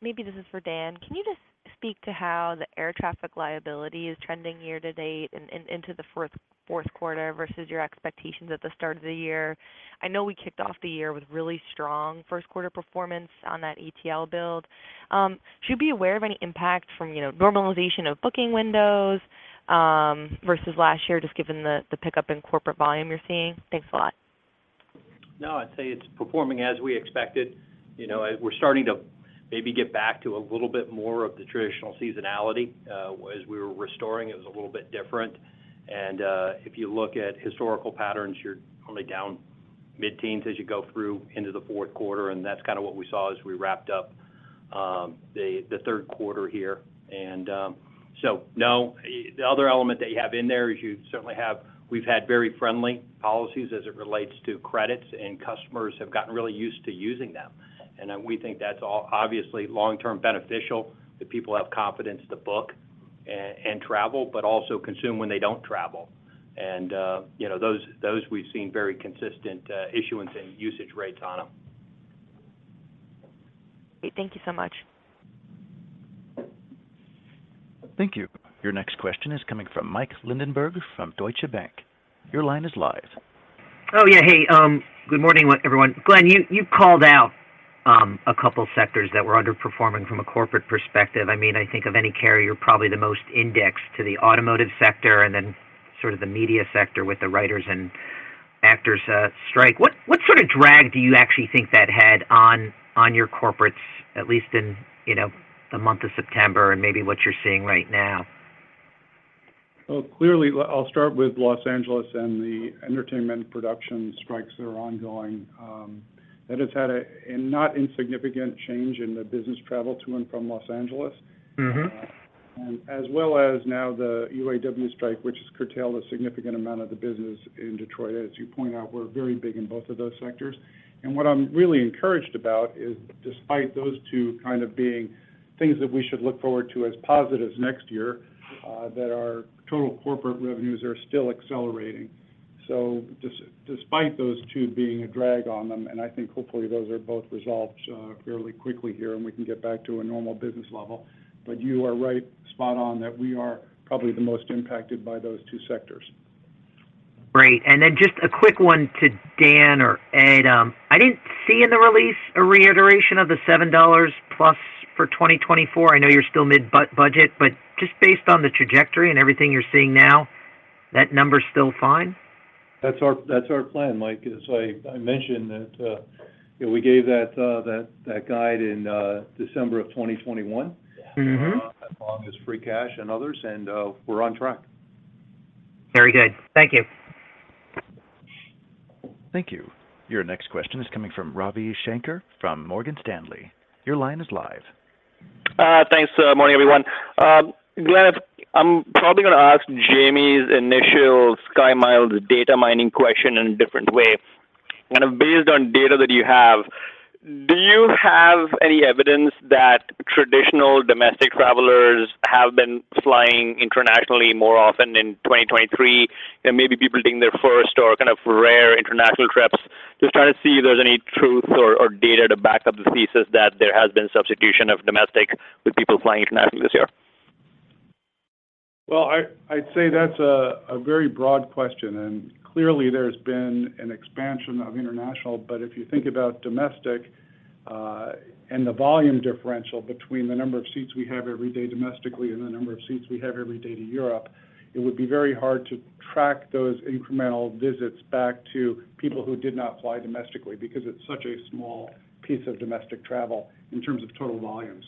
Maybe this is for Dan: Can you just speak to how the air traffic liability is trending year-to-date and into the fourth quarter versus your expectations at the start of the year? I know we kicked off the year with really strong first quarter performance on that ATL build. Should we be aware of any impact from, you know, normalization of booking windows versus last year, just given the pickup in corporate volume you're seeing? Thanks a lot. No, I'd say it's performing as we expected. You know, we're starting to maybe get back to a little bit more of the traditional seasonality. As we were restoring, it was a little bit different. If you look at historical patterns, you're only down mid-teens as you go through into the fourth quarter, and that's kind of what we saw as we wrapped up the third quarter here. No. The other element that you have in there is you certainly have, we've had very friendly policies as it relates to credits, and customers have gotten really used to using them. We think that's obviously long-term beneficial, that people have confidence to book and travel, but also consume when they don't travel. You know, those we've seen very consistent issuance and usage rates on them. Great. Thank you so much. Thank you. Your next question is coming from Mike Linenberg from Deutsche Bank. Your line is live. Oh, yeah. Hey, good morning, everyone. Glen, you called out a couple sectors that were underperforming from a corporate perspective. I mean, I think of any carrier, probably the most indexed to the automotive sector and then sort of the media sector with the writers' and actors' strike. What sort of drag do you actually think that had on your corporates, at least in, you know, the month of September and maybe what you're seeing right now? Well, clearly, I'll start with Los Angeles and the entertainment production strikes that are ongoing. That has had a not insignificant change in the business travel to and from Los Angeles. And as well as now the UAW strike, which has curtailed a significant amount of the business in Detroit. As you point out, we're very big in both of those sectors. And what I'm really encouraged about is, despite those two kind of being things that we should look forward to as positives next year, that our total corporate revenues are still accelerating. So despite those two being a drag on them, and I think hopefully those are both resolved, fairly quickly here, and we can get back to a normal business level. But you are right, spot on, that we are probably the most impacted by those two sectors. Great. And then just a quick one to Dan or Ed. I didn't see in the release a reiteration of the $7+ for 2024. I know you're still mid-budget, but just based on the trajectory and everything you're seeing now, that number's still fine? That's our, that's our plan, Mike. As I mentioned that, you know, we gave that guide in December of 2021. As long as free cash and others, and, we're on track. Very good. Thank you. Thank you. Your next question is coming from Ravi Shanker from Morgan Stanley. Your line is live. Thanks. Good morning, everyone. Glen, I'm probably gonna ask Jamie's initial SkyMiles data mining question in a different way. Kind of based on data that you have, do you have any evidence that traditional domestic travelers have been flying internationally more often in 2023, and maybe people taking their first or kind of rare international trips? Just trying to see if there's any truth or, or data to back up the thesis that there has been substitution of domestic with people flying internationally this year. Well, I'd say that's a very broad question, and clearly there's been an expansion of international. But if you think about domestic and the volume differential between the number of seats we have every day domestically and the number of seats we have every day to Europe, it would be very hard to track those incremental visits back to people who did not fly domestically because it's such a small piece of domestic travel in terms of total volumes.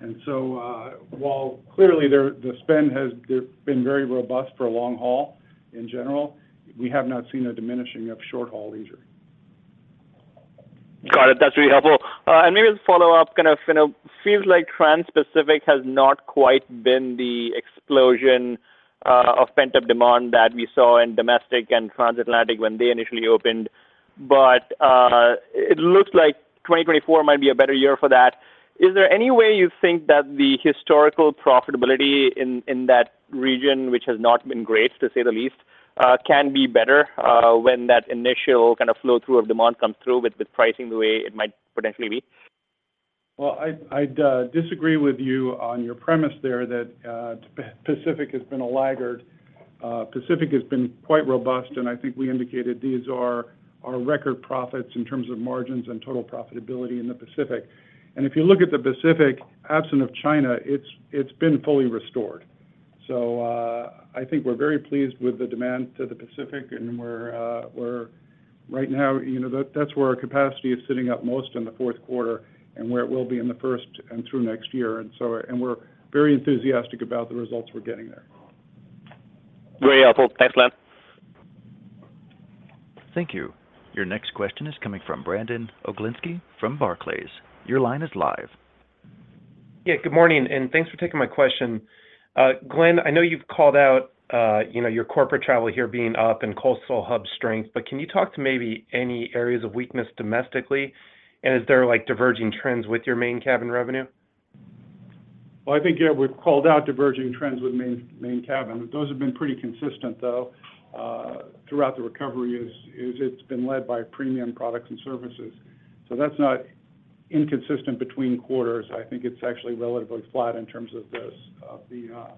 And so, while clearly there, the spend has there been very robust for long haul in general, we have not seen a diminishing of short-haul leisure. Got it. That's really helpful. And maybe just follow up, kind of, you know, feels like Transpacific has not quite been the explosion of pent-up demand that we saw in domestic and Transatlantic when they initially opened, but it looks like 2024 might be a better year for that. Is there any way you think that the historical profitability in, in that region, which has not been great, to say the least, can be better when that initial kind of flow-through of demand comes through with, with pricing the way it might potentially be? Well, I'd disagree with you on your premise there that Pacific has been a laggard. Pacific has been quite robust, and I think we indicated these are our record profits in terms of margins and total profitability in the Pacific. And if you look at the Pacific, absent of China, it's been fully restored. So, I think we're very pleased with the demand to the Pacific, and we're right now, you know, that's where our capacity is sitting up most in the fourth quarter and where it will be in the first and through next year. And so... And we're very enthusiastic about the results we're getting there. Very helpful. Thanks, Glen. Thank you. Your next question is coming from Brandon Oglenski from Barclays. Your line is live. Yeah, good morning, and thanks for taking my question. Glen, I know you've called out, you know, your corporate travel here being up and coastal hub strength, but can you talk to maybe any areas of weakness domestically? And is there, like, diverging trends with your main cabin revenue? Well, I think, yeah, we've called out diverging trends with main, main cabin. Those have been pretty consistent, though, throughout the recovery. It's been led by premium products and services. So that's not inconsistent between quarters. I think it's actually relatively flat in terms of this, the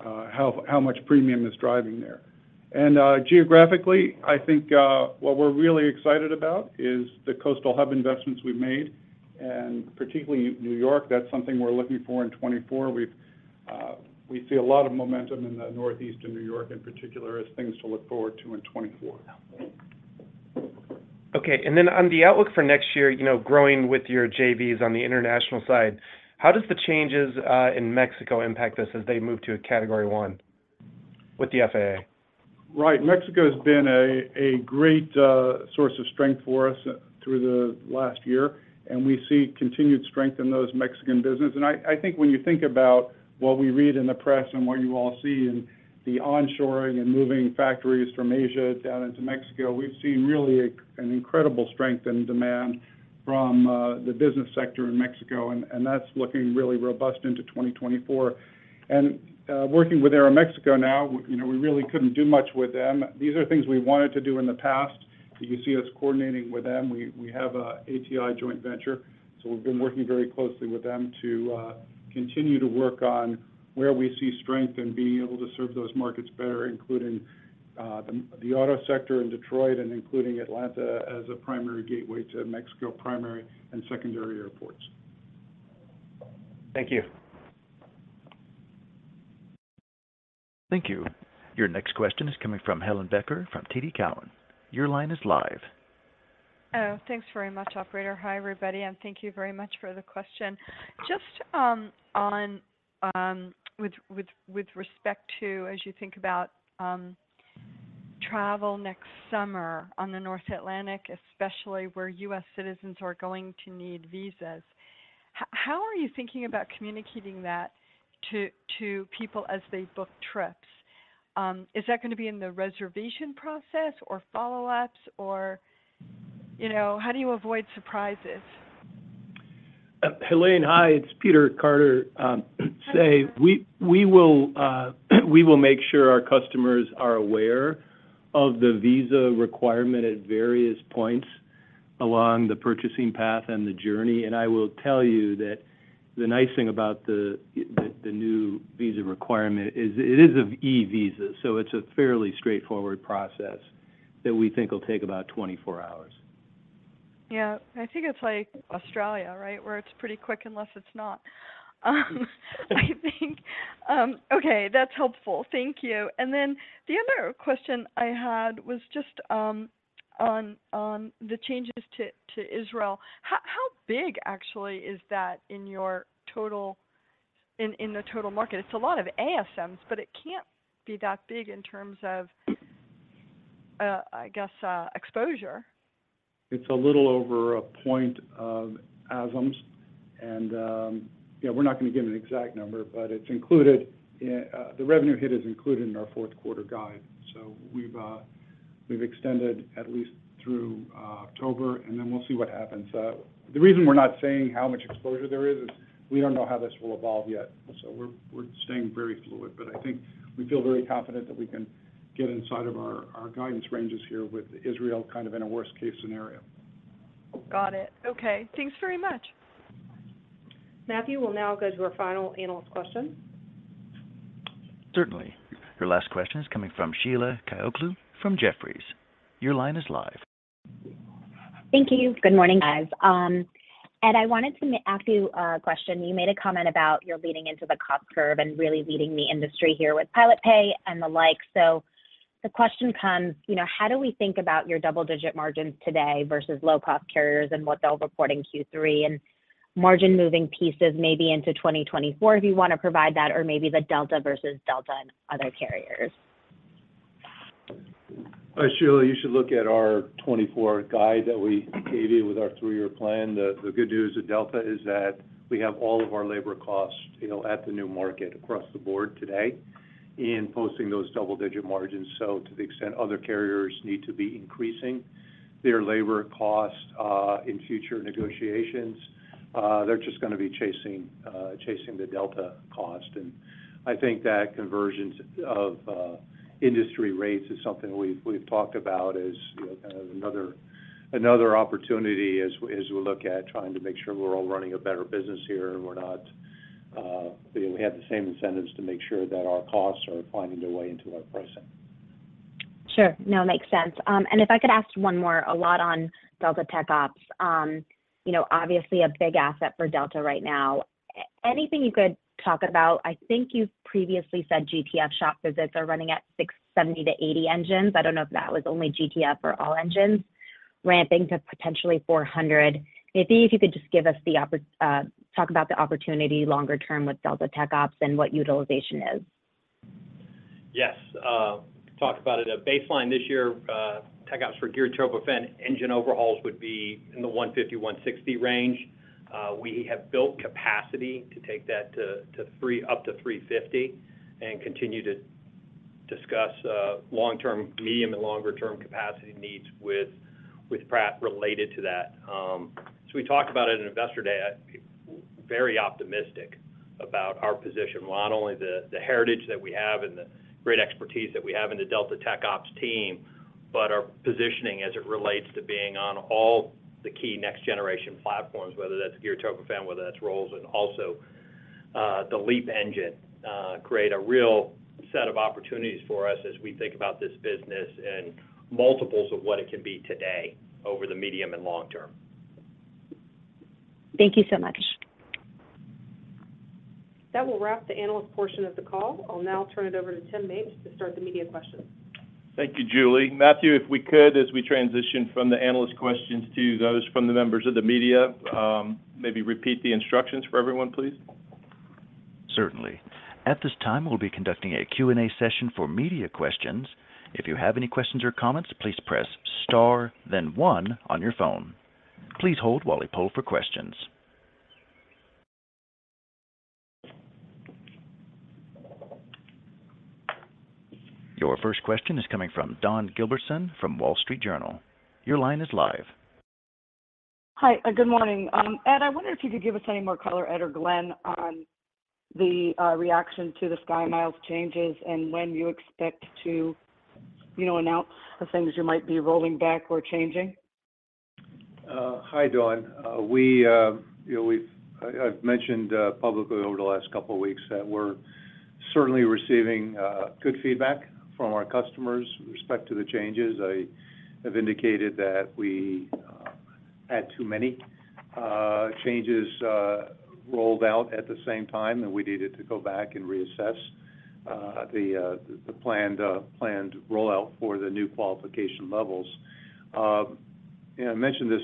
how much premium is driving there. And, geographically, I think, what we're really excited about is the coastal hub investments we've made, and particularly New York. That's something we're looking for in 2024. We've, we see a lot of momentum in the Northeast and New York in particular, as things to look forward to in 2024. Okay. And then on the outlook for next year, you know, growing with your JVs on the international side, how does the changes in Mexico impact this as they move to a Category One with the FAA? Right. Mexico has been a great source of strength for us through the last year, and we see continued strength in those Mexican businesses. I think when you think about what we read in the press and what you all see in the onshoring and moving factories from Asia down into Mexico, we've seen really an incredible strength and demand from the business sector in Mexico, and that's looking really robust into 2024. Working with Aeroméxico now, you know, we really couldn't do much with them. These are things we wanted to do in the past. You see us coordinating with them. We have an ATI joint venture, so we've been working very closely with them to continue to work on where we see strength and being able to serve those markets better, including the auto sector in Detroit and including Atlanta as a primary gateway to Mexico, primary and secondary airports. Thank you. Thank you. Your next question is coming from Helane Becker from TD Cowen. Your line is live. Thanks very much, operator. Hi, everybody, and thank you very much for the question. Just on with respect to as you think about travel next summer on the North Atlantic, especially where U.S. citizens are going to need visas, how are you thinking about communicating that to people as they book trips? Is that gonna be in the reservation process or follow-ups or, you know, how do you avoid surprises? Helane, hi, it's Peter Carter. We will make sure our customers are aware of the visa requirement at various points along the purchasing path and the journey. I will tell you that the nice thing about the new visa requirement is it is an e-visa, so it's a fairly straightforward process that we think will take about 24 hours. Yeah. I think it's like Australia, right? Where it's pretty quick, unless it's not. I think. Okay, that's helpful. Thank you. And then the other question I had was just on the changes to Israel. How big actually is that in your total, in the total market? It's a lot of ASMs, but it can't be that big in terms of. I guess, exposure? It's a little over a point of ASMs, and, yeah, we're not gonna give an exact number, but it's included in, the revenue hit is included in our fourth quarter guide. So we've, we've extended at least through, October, and then we'll see what happens. The reason we're not saying how much exposure there is, is we don't know how this will evolve yet. So we're, we're staying very fluid, but I think we feel very confident that we can get inside of our, our guidance ranges here with Israel kind of in a worst-case scenario. Got it. Okay. Thanks very much. Matthew, we'll now go to our final analyst question. Certainly. Your last question is coming from Sheila Kahyaoglu from Jefferies. Your line is live. Thank you. Good morning, guys. Ed, I wanted to ask you a question. You made a comment about you're leading into the cost curve and really leading the industry here with pilot pay and the like. So the question comes, you know, how do we think about your double-digit margins today versus low-cost carriers and what they'll report in Q3, and margin moving pieces maybe into 2024, if you want to provide that, or maybe the Delta versus Delta and other carriers? Sheila, you should look at our 2024 guide that we gave you with our three-year plan. The good news with Delta is that we have all of our labor costs, you know, at the new market across the board today in posting those double-digit margins. To the extent other carriers need to be increasing their labor costs, you know, in future negotiations, they're just gonna be chasing, you know, chasing the Delta cost. I think that conversions of, you know, industry rates is something we've talked about as, you know, kind of another, another opportunity as we look at trying to make sure we're all running a better business here, and we're not, you know, we have the same incentives to make sure that our costs are finding their way into our pricing. Sure. No, it makes sense. And if I could ask one more, a lot on Delta TechOps. You know, obviously a big asset for Delta right now. Anything you could talk about? I think you've previously said GTF shop visits are running at 60, 70-80 engines. I don't know if that was only GTF or all engines, ramping to potentially 400. Maybe if you could just give us the opportunity longer term with Delta TechOps and what utilization is. Yes, talk about it. A baseline this year, TechOps, for Geared Turbofan engine overhauls would be in the 150-160 range. We have built capacity to take that to, to 350 and continue to discuss, long-term, medium, and longer term capacity needs with, with Pratt related to that. We talked about it in Investor Day. I- very optimistic about our position. Not only the heritage that we have and the great expertise that we have in the Delta TechOps team, but our positioning as it relates to being on all the key next-generation platforms, whether that's Geared Turbofan, whether that's Rolls, and also, the LEAP engine, create a real set of opportunities for us as we think about this business and multiples of what it can be today over the medium and long term. Thank you so much. That will wrap the analyst portion of the call. I'll now turn it over to Tim Mapes to start the media questions. Thank you, Julie. Matthew, if we could, as we transition from the analyst questions to those from the members of the media, maybe repeat the instructions for everyone, please. Certainly. At this time, we'll be conducting a Q&A session for media questions. If you have any questions or comments, please press Star, then one on your phone. Please hold while we poll for questions. Your first question is coming from Dawn Gilbertson from Wall Street Journal. Your line is live. Hi, good morning. Ed, I wonder if you could give us any more color, Ed or Glen, on the reaction to the SkyMiles changes and when you expect to, you know, announce the things you might be rolling back or changing. Hi, Dawn. You know, I've mentioned publicly over the last couple of weeks that we're certainly receiving good feedback from our customers with respect to the changes. I have indicated that we had too many changes rolled out at the same time, and we needed to go back and reassess the planned rollout for the new qualification levels. And I mentioned this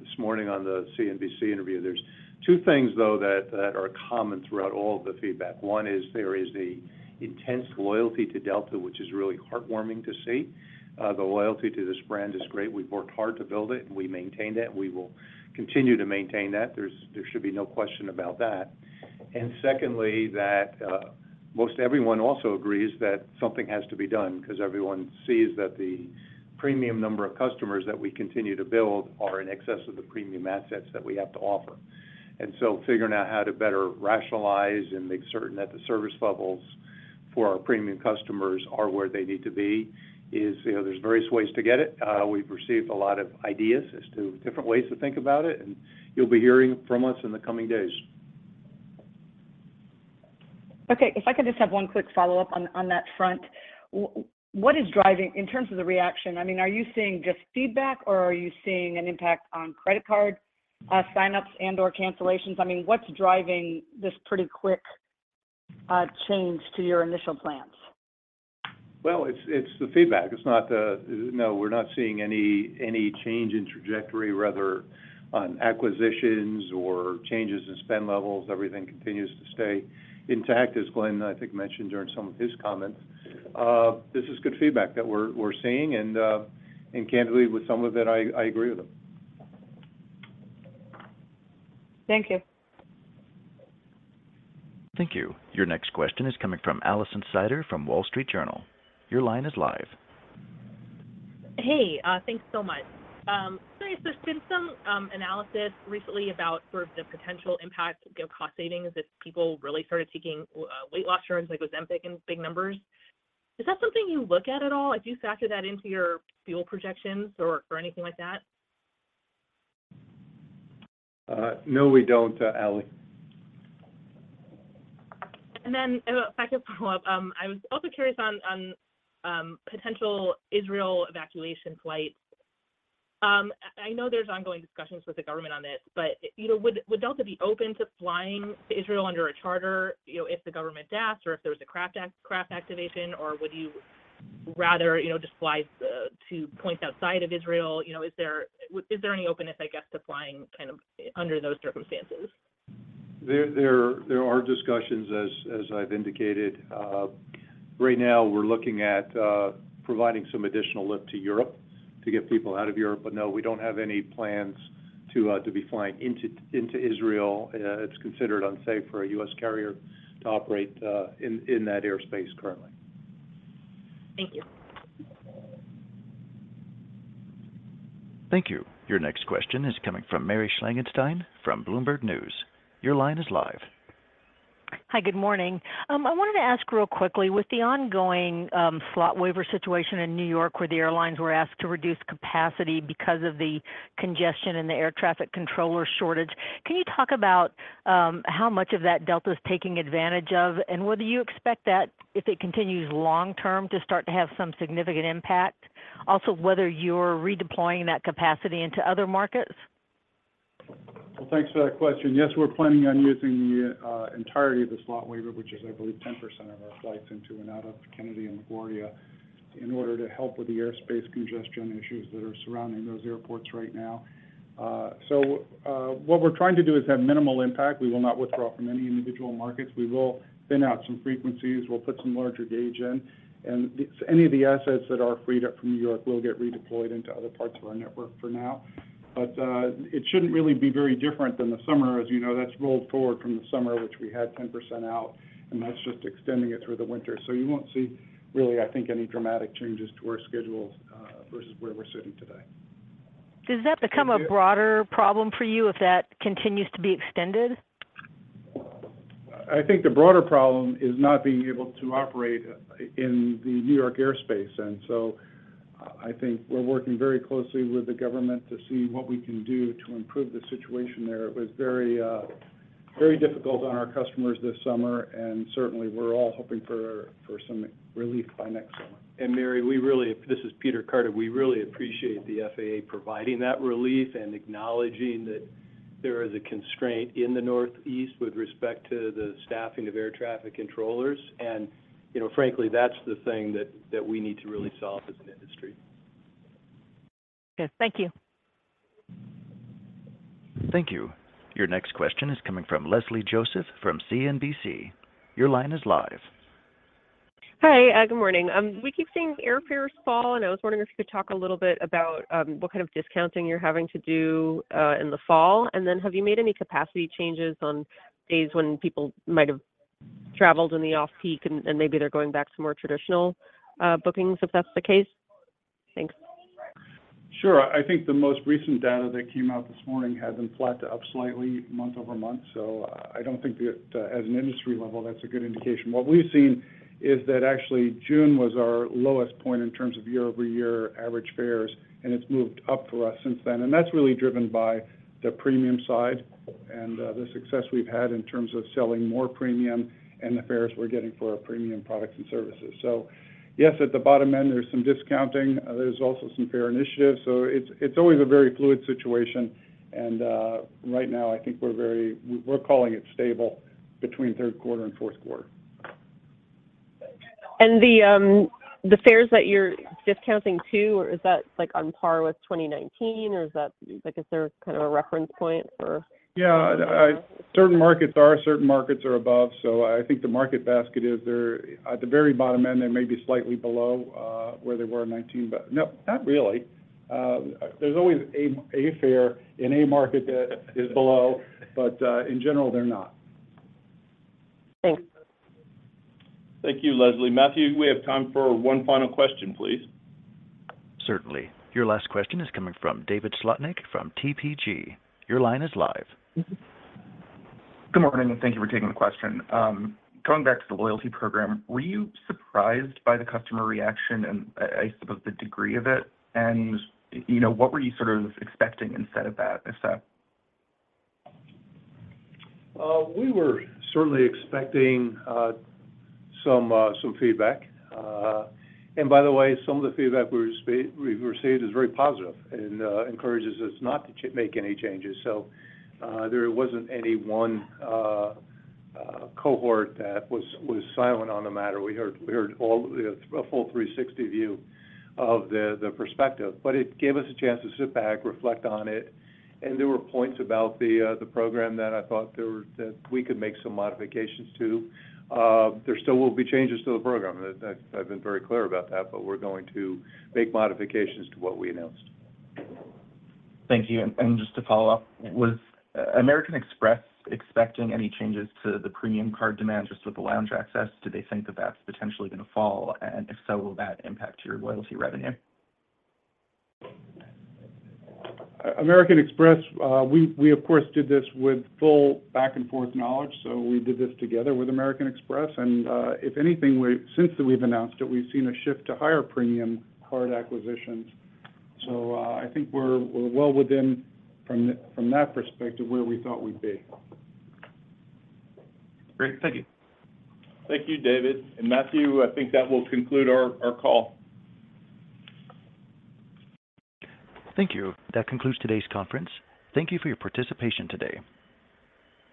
this morning on the CNBC interview. There's two things, though, that are common throughout all of the feedback. One is there is an intense loyalty to Delta, which is really heartwarming to see. The loyalty to this brand is great. We've worked hard to build it, and we maintain that, and we will continue to maintain that. There's no question about that. And secondly, most everyone also agrees that something has to be done because everyone sees that the premium number of customers that we continue to build are in excess of the premium assets that we have to offer. And so figuring out how to better rationalize and make certain that the service levels for our premium customers are where they need to be is, you know, there's various ways to get it. We've received a lot of ideas as to different ways to think about it, and you'll be hearing from us in the coming days. Okay. If I could just have one quick follow-up on that front. What is driving, in terms of the reaction, I mean, are you seeing just feedback, or are you seeing an impact on credit card sign-ups and/or cancellations? I mean, what's driving this pretty quick change to your initial plans? Well, it's the feedback. It's not the. No, we're not seeing any change in trajectory, rather, on acquisitions or changes in spend levels. Everything continues to stay intact, as Glen, I think, mentioned during some of his comments. This is good feedback that we're seeing, and candidly, with some of it, I agree with him. Thank you. Thank you. Your next question is coming from Alison Sider from Wall Street Journal. Your line is live. Hey, thanks so much. So there's been some analysis recently about sort of the potential impact of cost savings if people really started taking weight loss drugs like Ozempic in big numbers. Is that something you look at at all? Do you factor that into your fuel projections or anything like that? No, we don't, Ali. Then if I could follow up, I was also curious on potential Israel evacuation flights. I know there's ongoing discussions with the government on this, but, you know, would Delta be open to flying to Israel under a charter, you know, if the government asked or if there was a CRAF activation, or would you rather, you know, just fly to points outside of Israel? You know, is there any openness, I guess, to flying kind of under those circumstances? There are discussions, as I've indicated. Right now, we're looking at providing some additional lift to Europe to get people out of Europe, but no, we don't have any plans to be flying into Israel. It's considered unsafe for a U.S. carrier to operate in that airspace currently. Thank you. Thank you. Your next question is coming from Mary Schlangenstein from Bloomberg News. Your line is live. Hi, good morning. I wanted to ask real quickly, with the ongoing, slot waiver situation in New York, where the airlines were asked to reduce capacity because of the congestion and the air traffic controller shortage, can you talk about, how much of that Delta is taking advantage of? And whether you expect that, if it continues long term, to start to have some significant impact? Also, whether you're redeploying that capacity into other markets. Well, thanks for that question. Yes, we're planning on using the entirety of the slot waiver, which is, I believe, 10% of our flights into and out of Kennedy and LaGuardia, in order to help with the airspace congestion issues that are surrounding those airports right now. So, what we're trying to do is have minimal impact. We will not withdraw from any individual markets. We will thin out some frequencies. We'll put some larger gauge in, and any of the assets that are freed up from New York will get redeployed into other parts of our network for now. But, it shouldn't really be very different than the summer. As you know, that's rolled forward from the summer, which we had 10% out, and that's just extending it through the winter. You won't see really, I think, any dramatic changes to our schedules versus where we're sitting today. Does that become a broader problem for you if that continues to be extended? I think the broader problem is not being able to operate in the New York airspace, and so I think we're working very closely with the government to see what we can do to improve the situation there. It was very difficult on our customers this summer, and certainly, we're all hoping for some relief by next summer. And Mary, we really. This is Peter Carter. We really appreciate the FAA providing that relief and acknowledging that there is a constraint in the Northeast with respect to the staffing of air traffic controllers. And, you know, frankly, that's the thing that we need to really solve as an industry. Okay. Thank you. Thank you. Your next question is coming from Leslie Josephs, from CNBC. Your line is live. Hi, good morning. We keep seeing airfares fall, and I was wondering if you could talk a little bit about what kind of discounting you're having to do in the fall. And then, have you made any capacity changes on days when people might have traveled in the off-peak, and maybe they're going back to more traditional bookings, if that's the case? Thanks. Sure. I think the most recent data that came out this morning has been flat to up slightly month-over-month, so I don't think that, as an industry level, that's a good indication. What we've seen is that actually June was our lowest point in terms of year-over-year average fares, and it's moved up for us since then. And that's really driven by the premium side and, the success we've had in terms of selling more premium and the fares we're getting for our premium products and services. So yes, at the bottom end, there's some discounting. There's also some fare initiatives. So it's, it's always a very fluid situation, and, right now, I think we're very, we're calling it stable between third quarter and fourth quarter. The fares that you're discounting to, is that, like, on par with 2019, or is that, like, is there kind of a reference point for- Yeah, certain markets are above. So I think the market basket is there. At the very bottom end, they may be slightly below where they were in 2019, but no, not really. There's always a fare in a market that is below, but in general, they're not. Thanks. Thank you, Leslie. Matthew, we have time for one final question, please. Certainly. Your last question is coming from David Slotnick from TPG. Your line is live. Good morning, and thank you for taking the question. Going back to the loyalty program, were you surprised by the customer reaction and, I suppose, the degree of it? You know, what were you sort of expecting instead of that, if so? We were certainly expecting some feedback. And by the way, some of the feedback we received is very positive and encourages us not to make any changes. So, there wasn't any one cohort that was silent on the matter. We heard a full 360 view of the perspective, but it gave us a chance to sit back, reflect on it, and there were points about the program that I thought we could make some modifications to. There still will be changes to the program. I've been very clear about that, but we're going to make modifications to what we announced. Thank you. And, just to follow up, was American Express expecting any changes to the premium card demand, just with the lounge access? Do they think that that's potentially going to fall, and if so, will that impact your loyalty revenue? American Express, we, of course, did this with full back-and-forth knowledge, so we did this together with American Express, and, if anything, we—since we've announced it, we've seen a shift to higher premium card acquisitions. So, I think we're well within, from that perspective, where we thought we'd be. Great. Thank you. Thank you, David. And Matthew, I think that will conclude our call. Thank you. That concludes today's conference. Thank you for your participation today.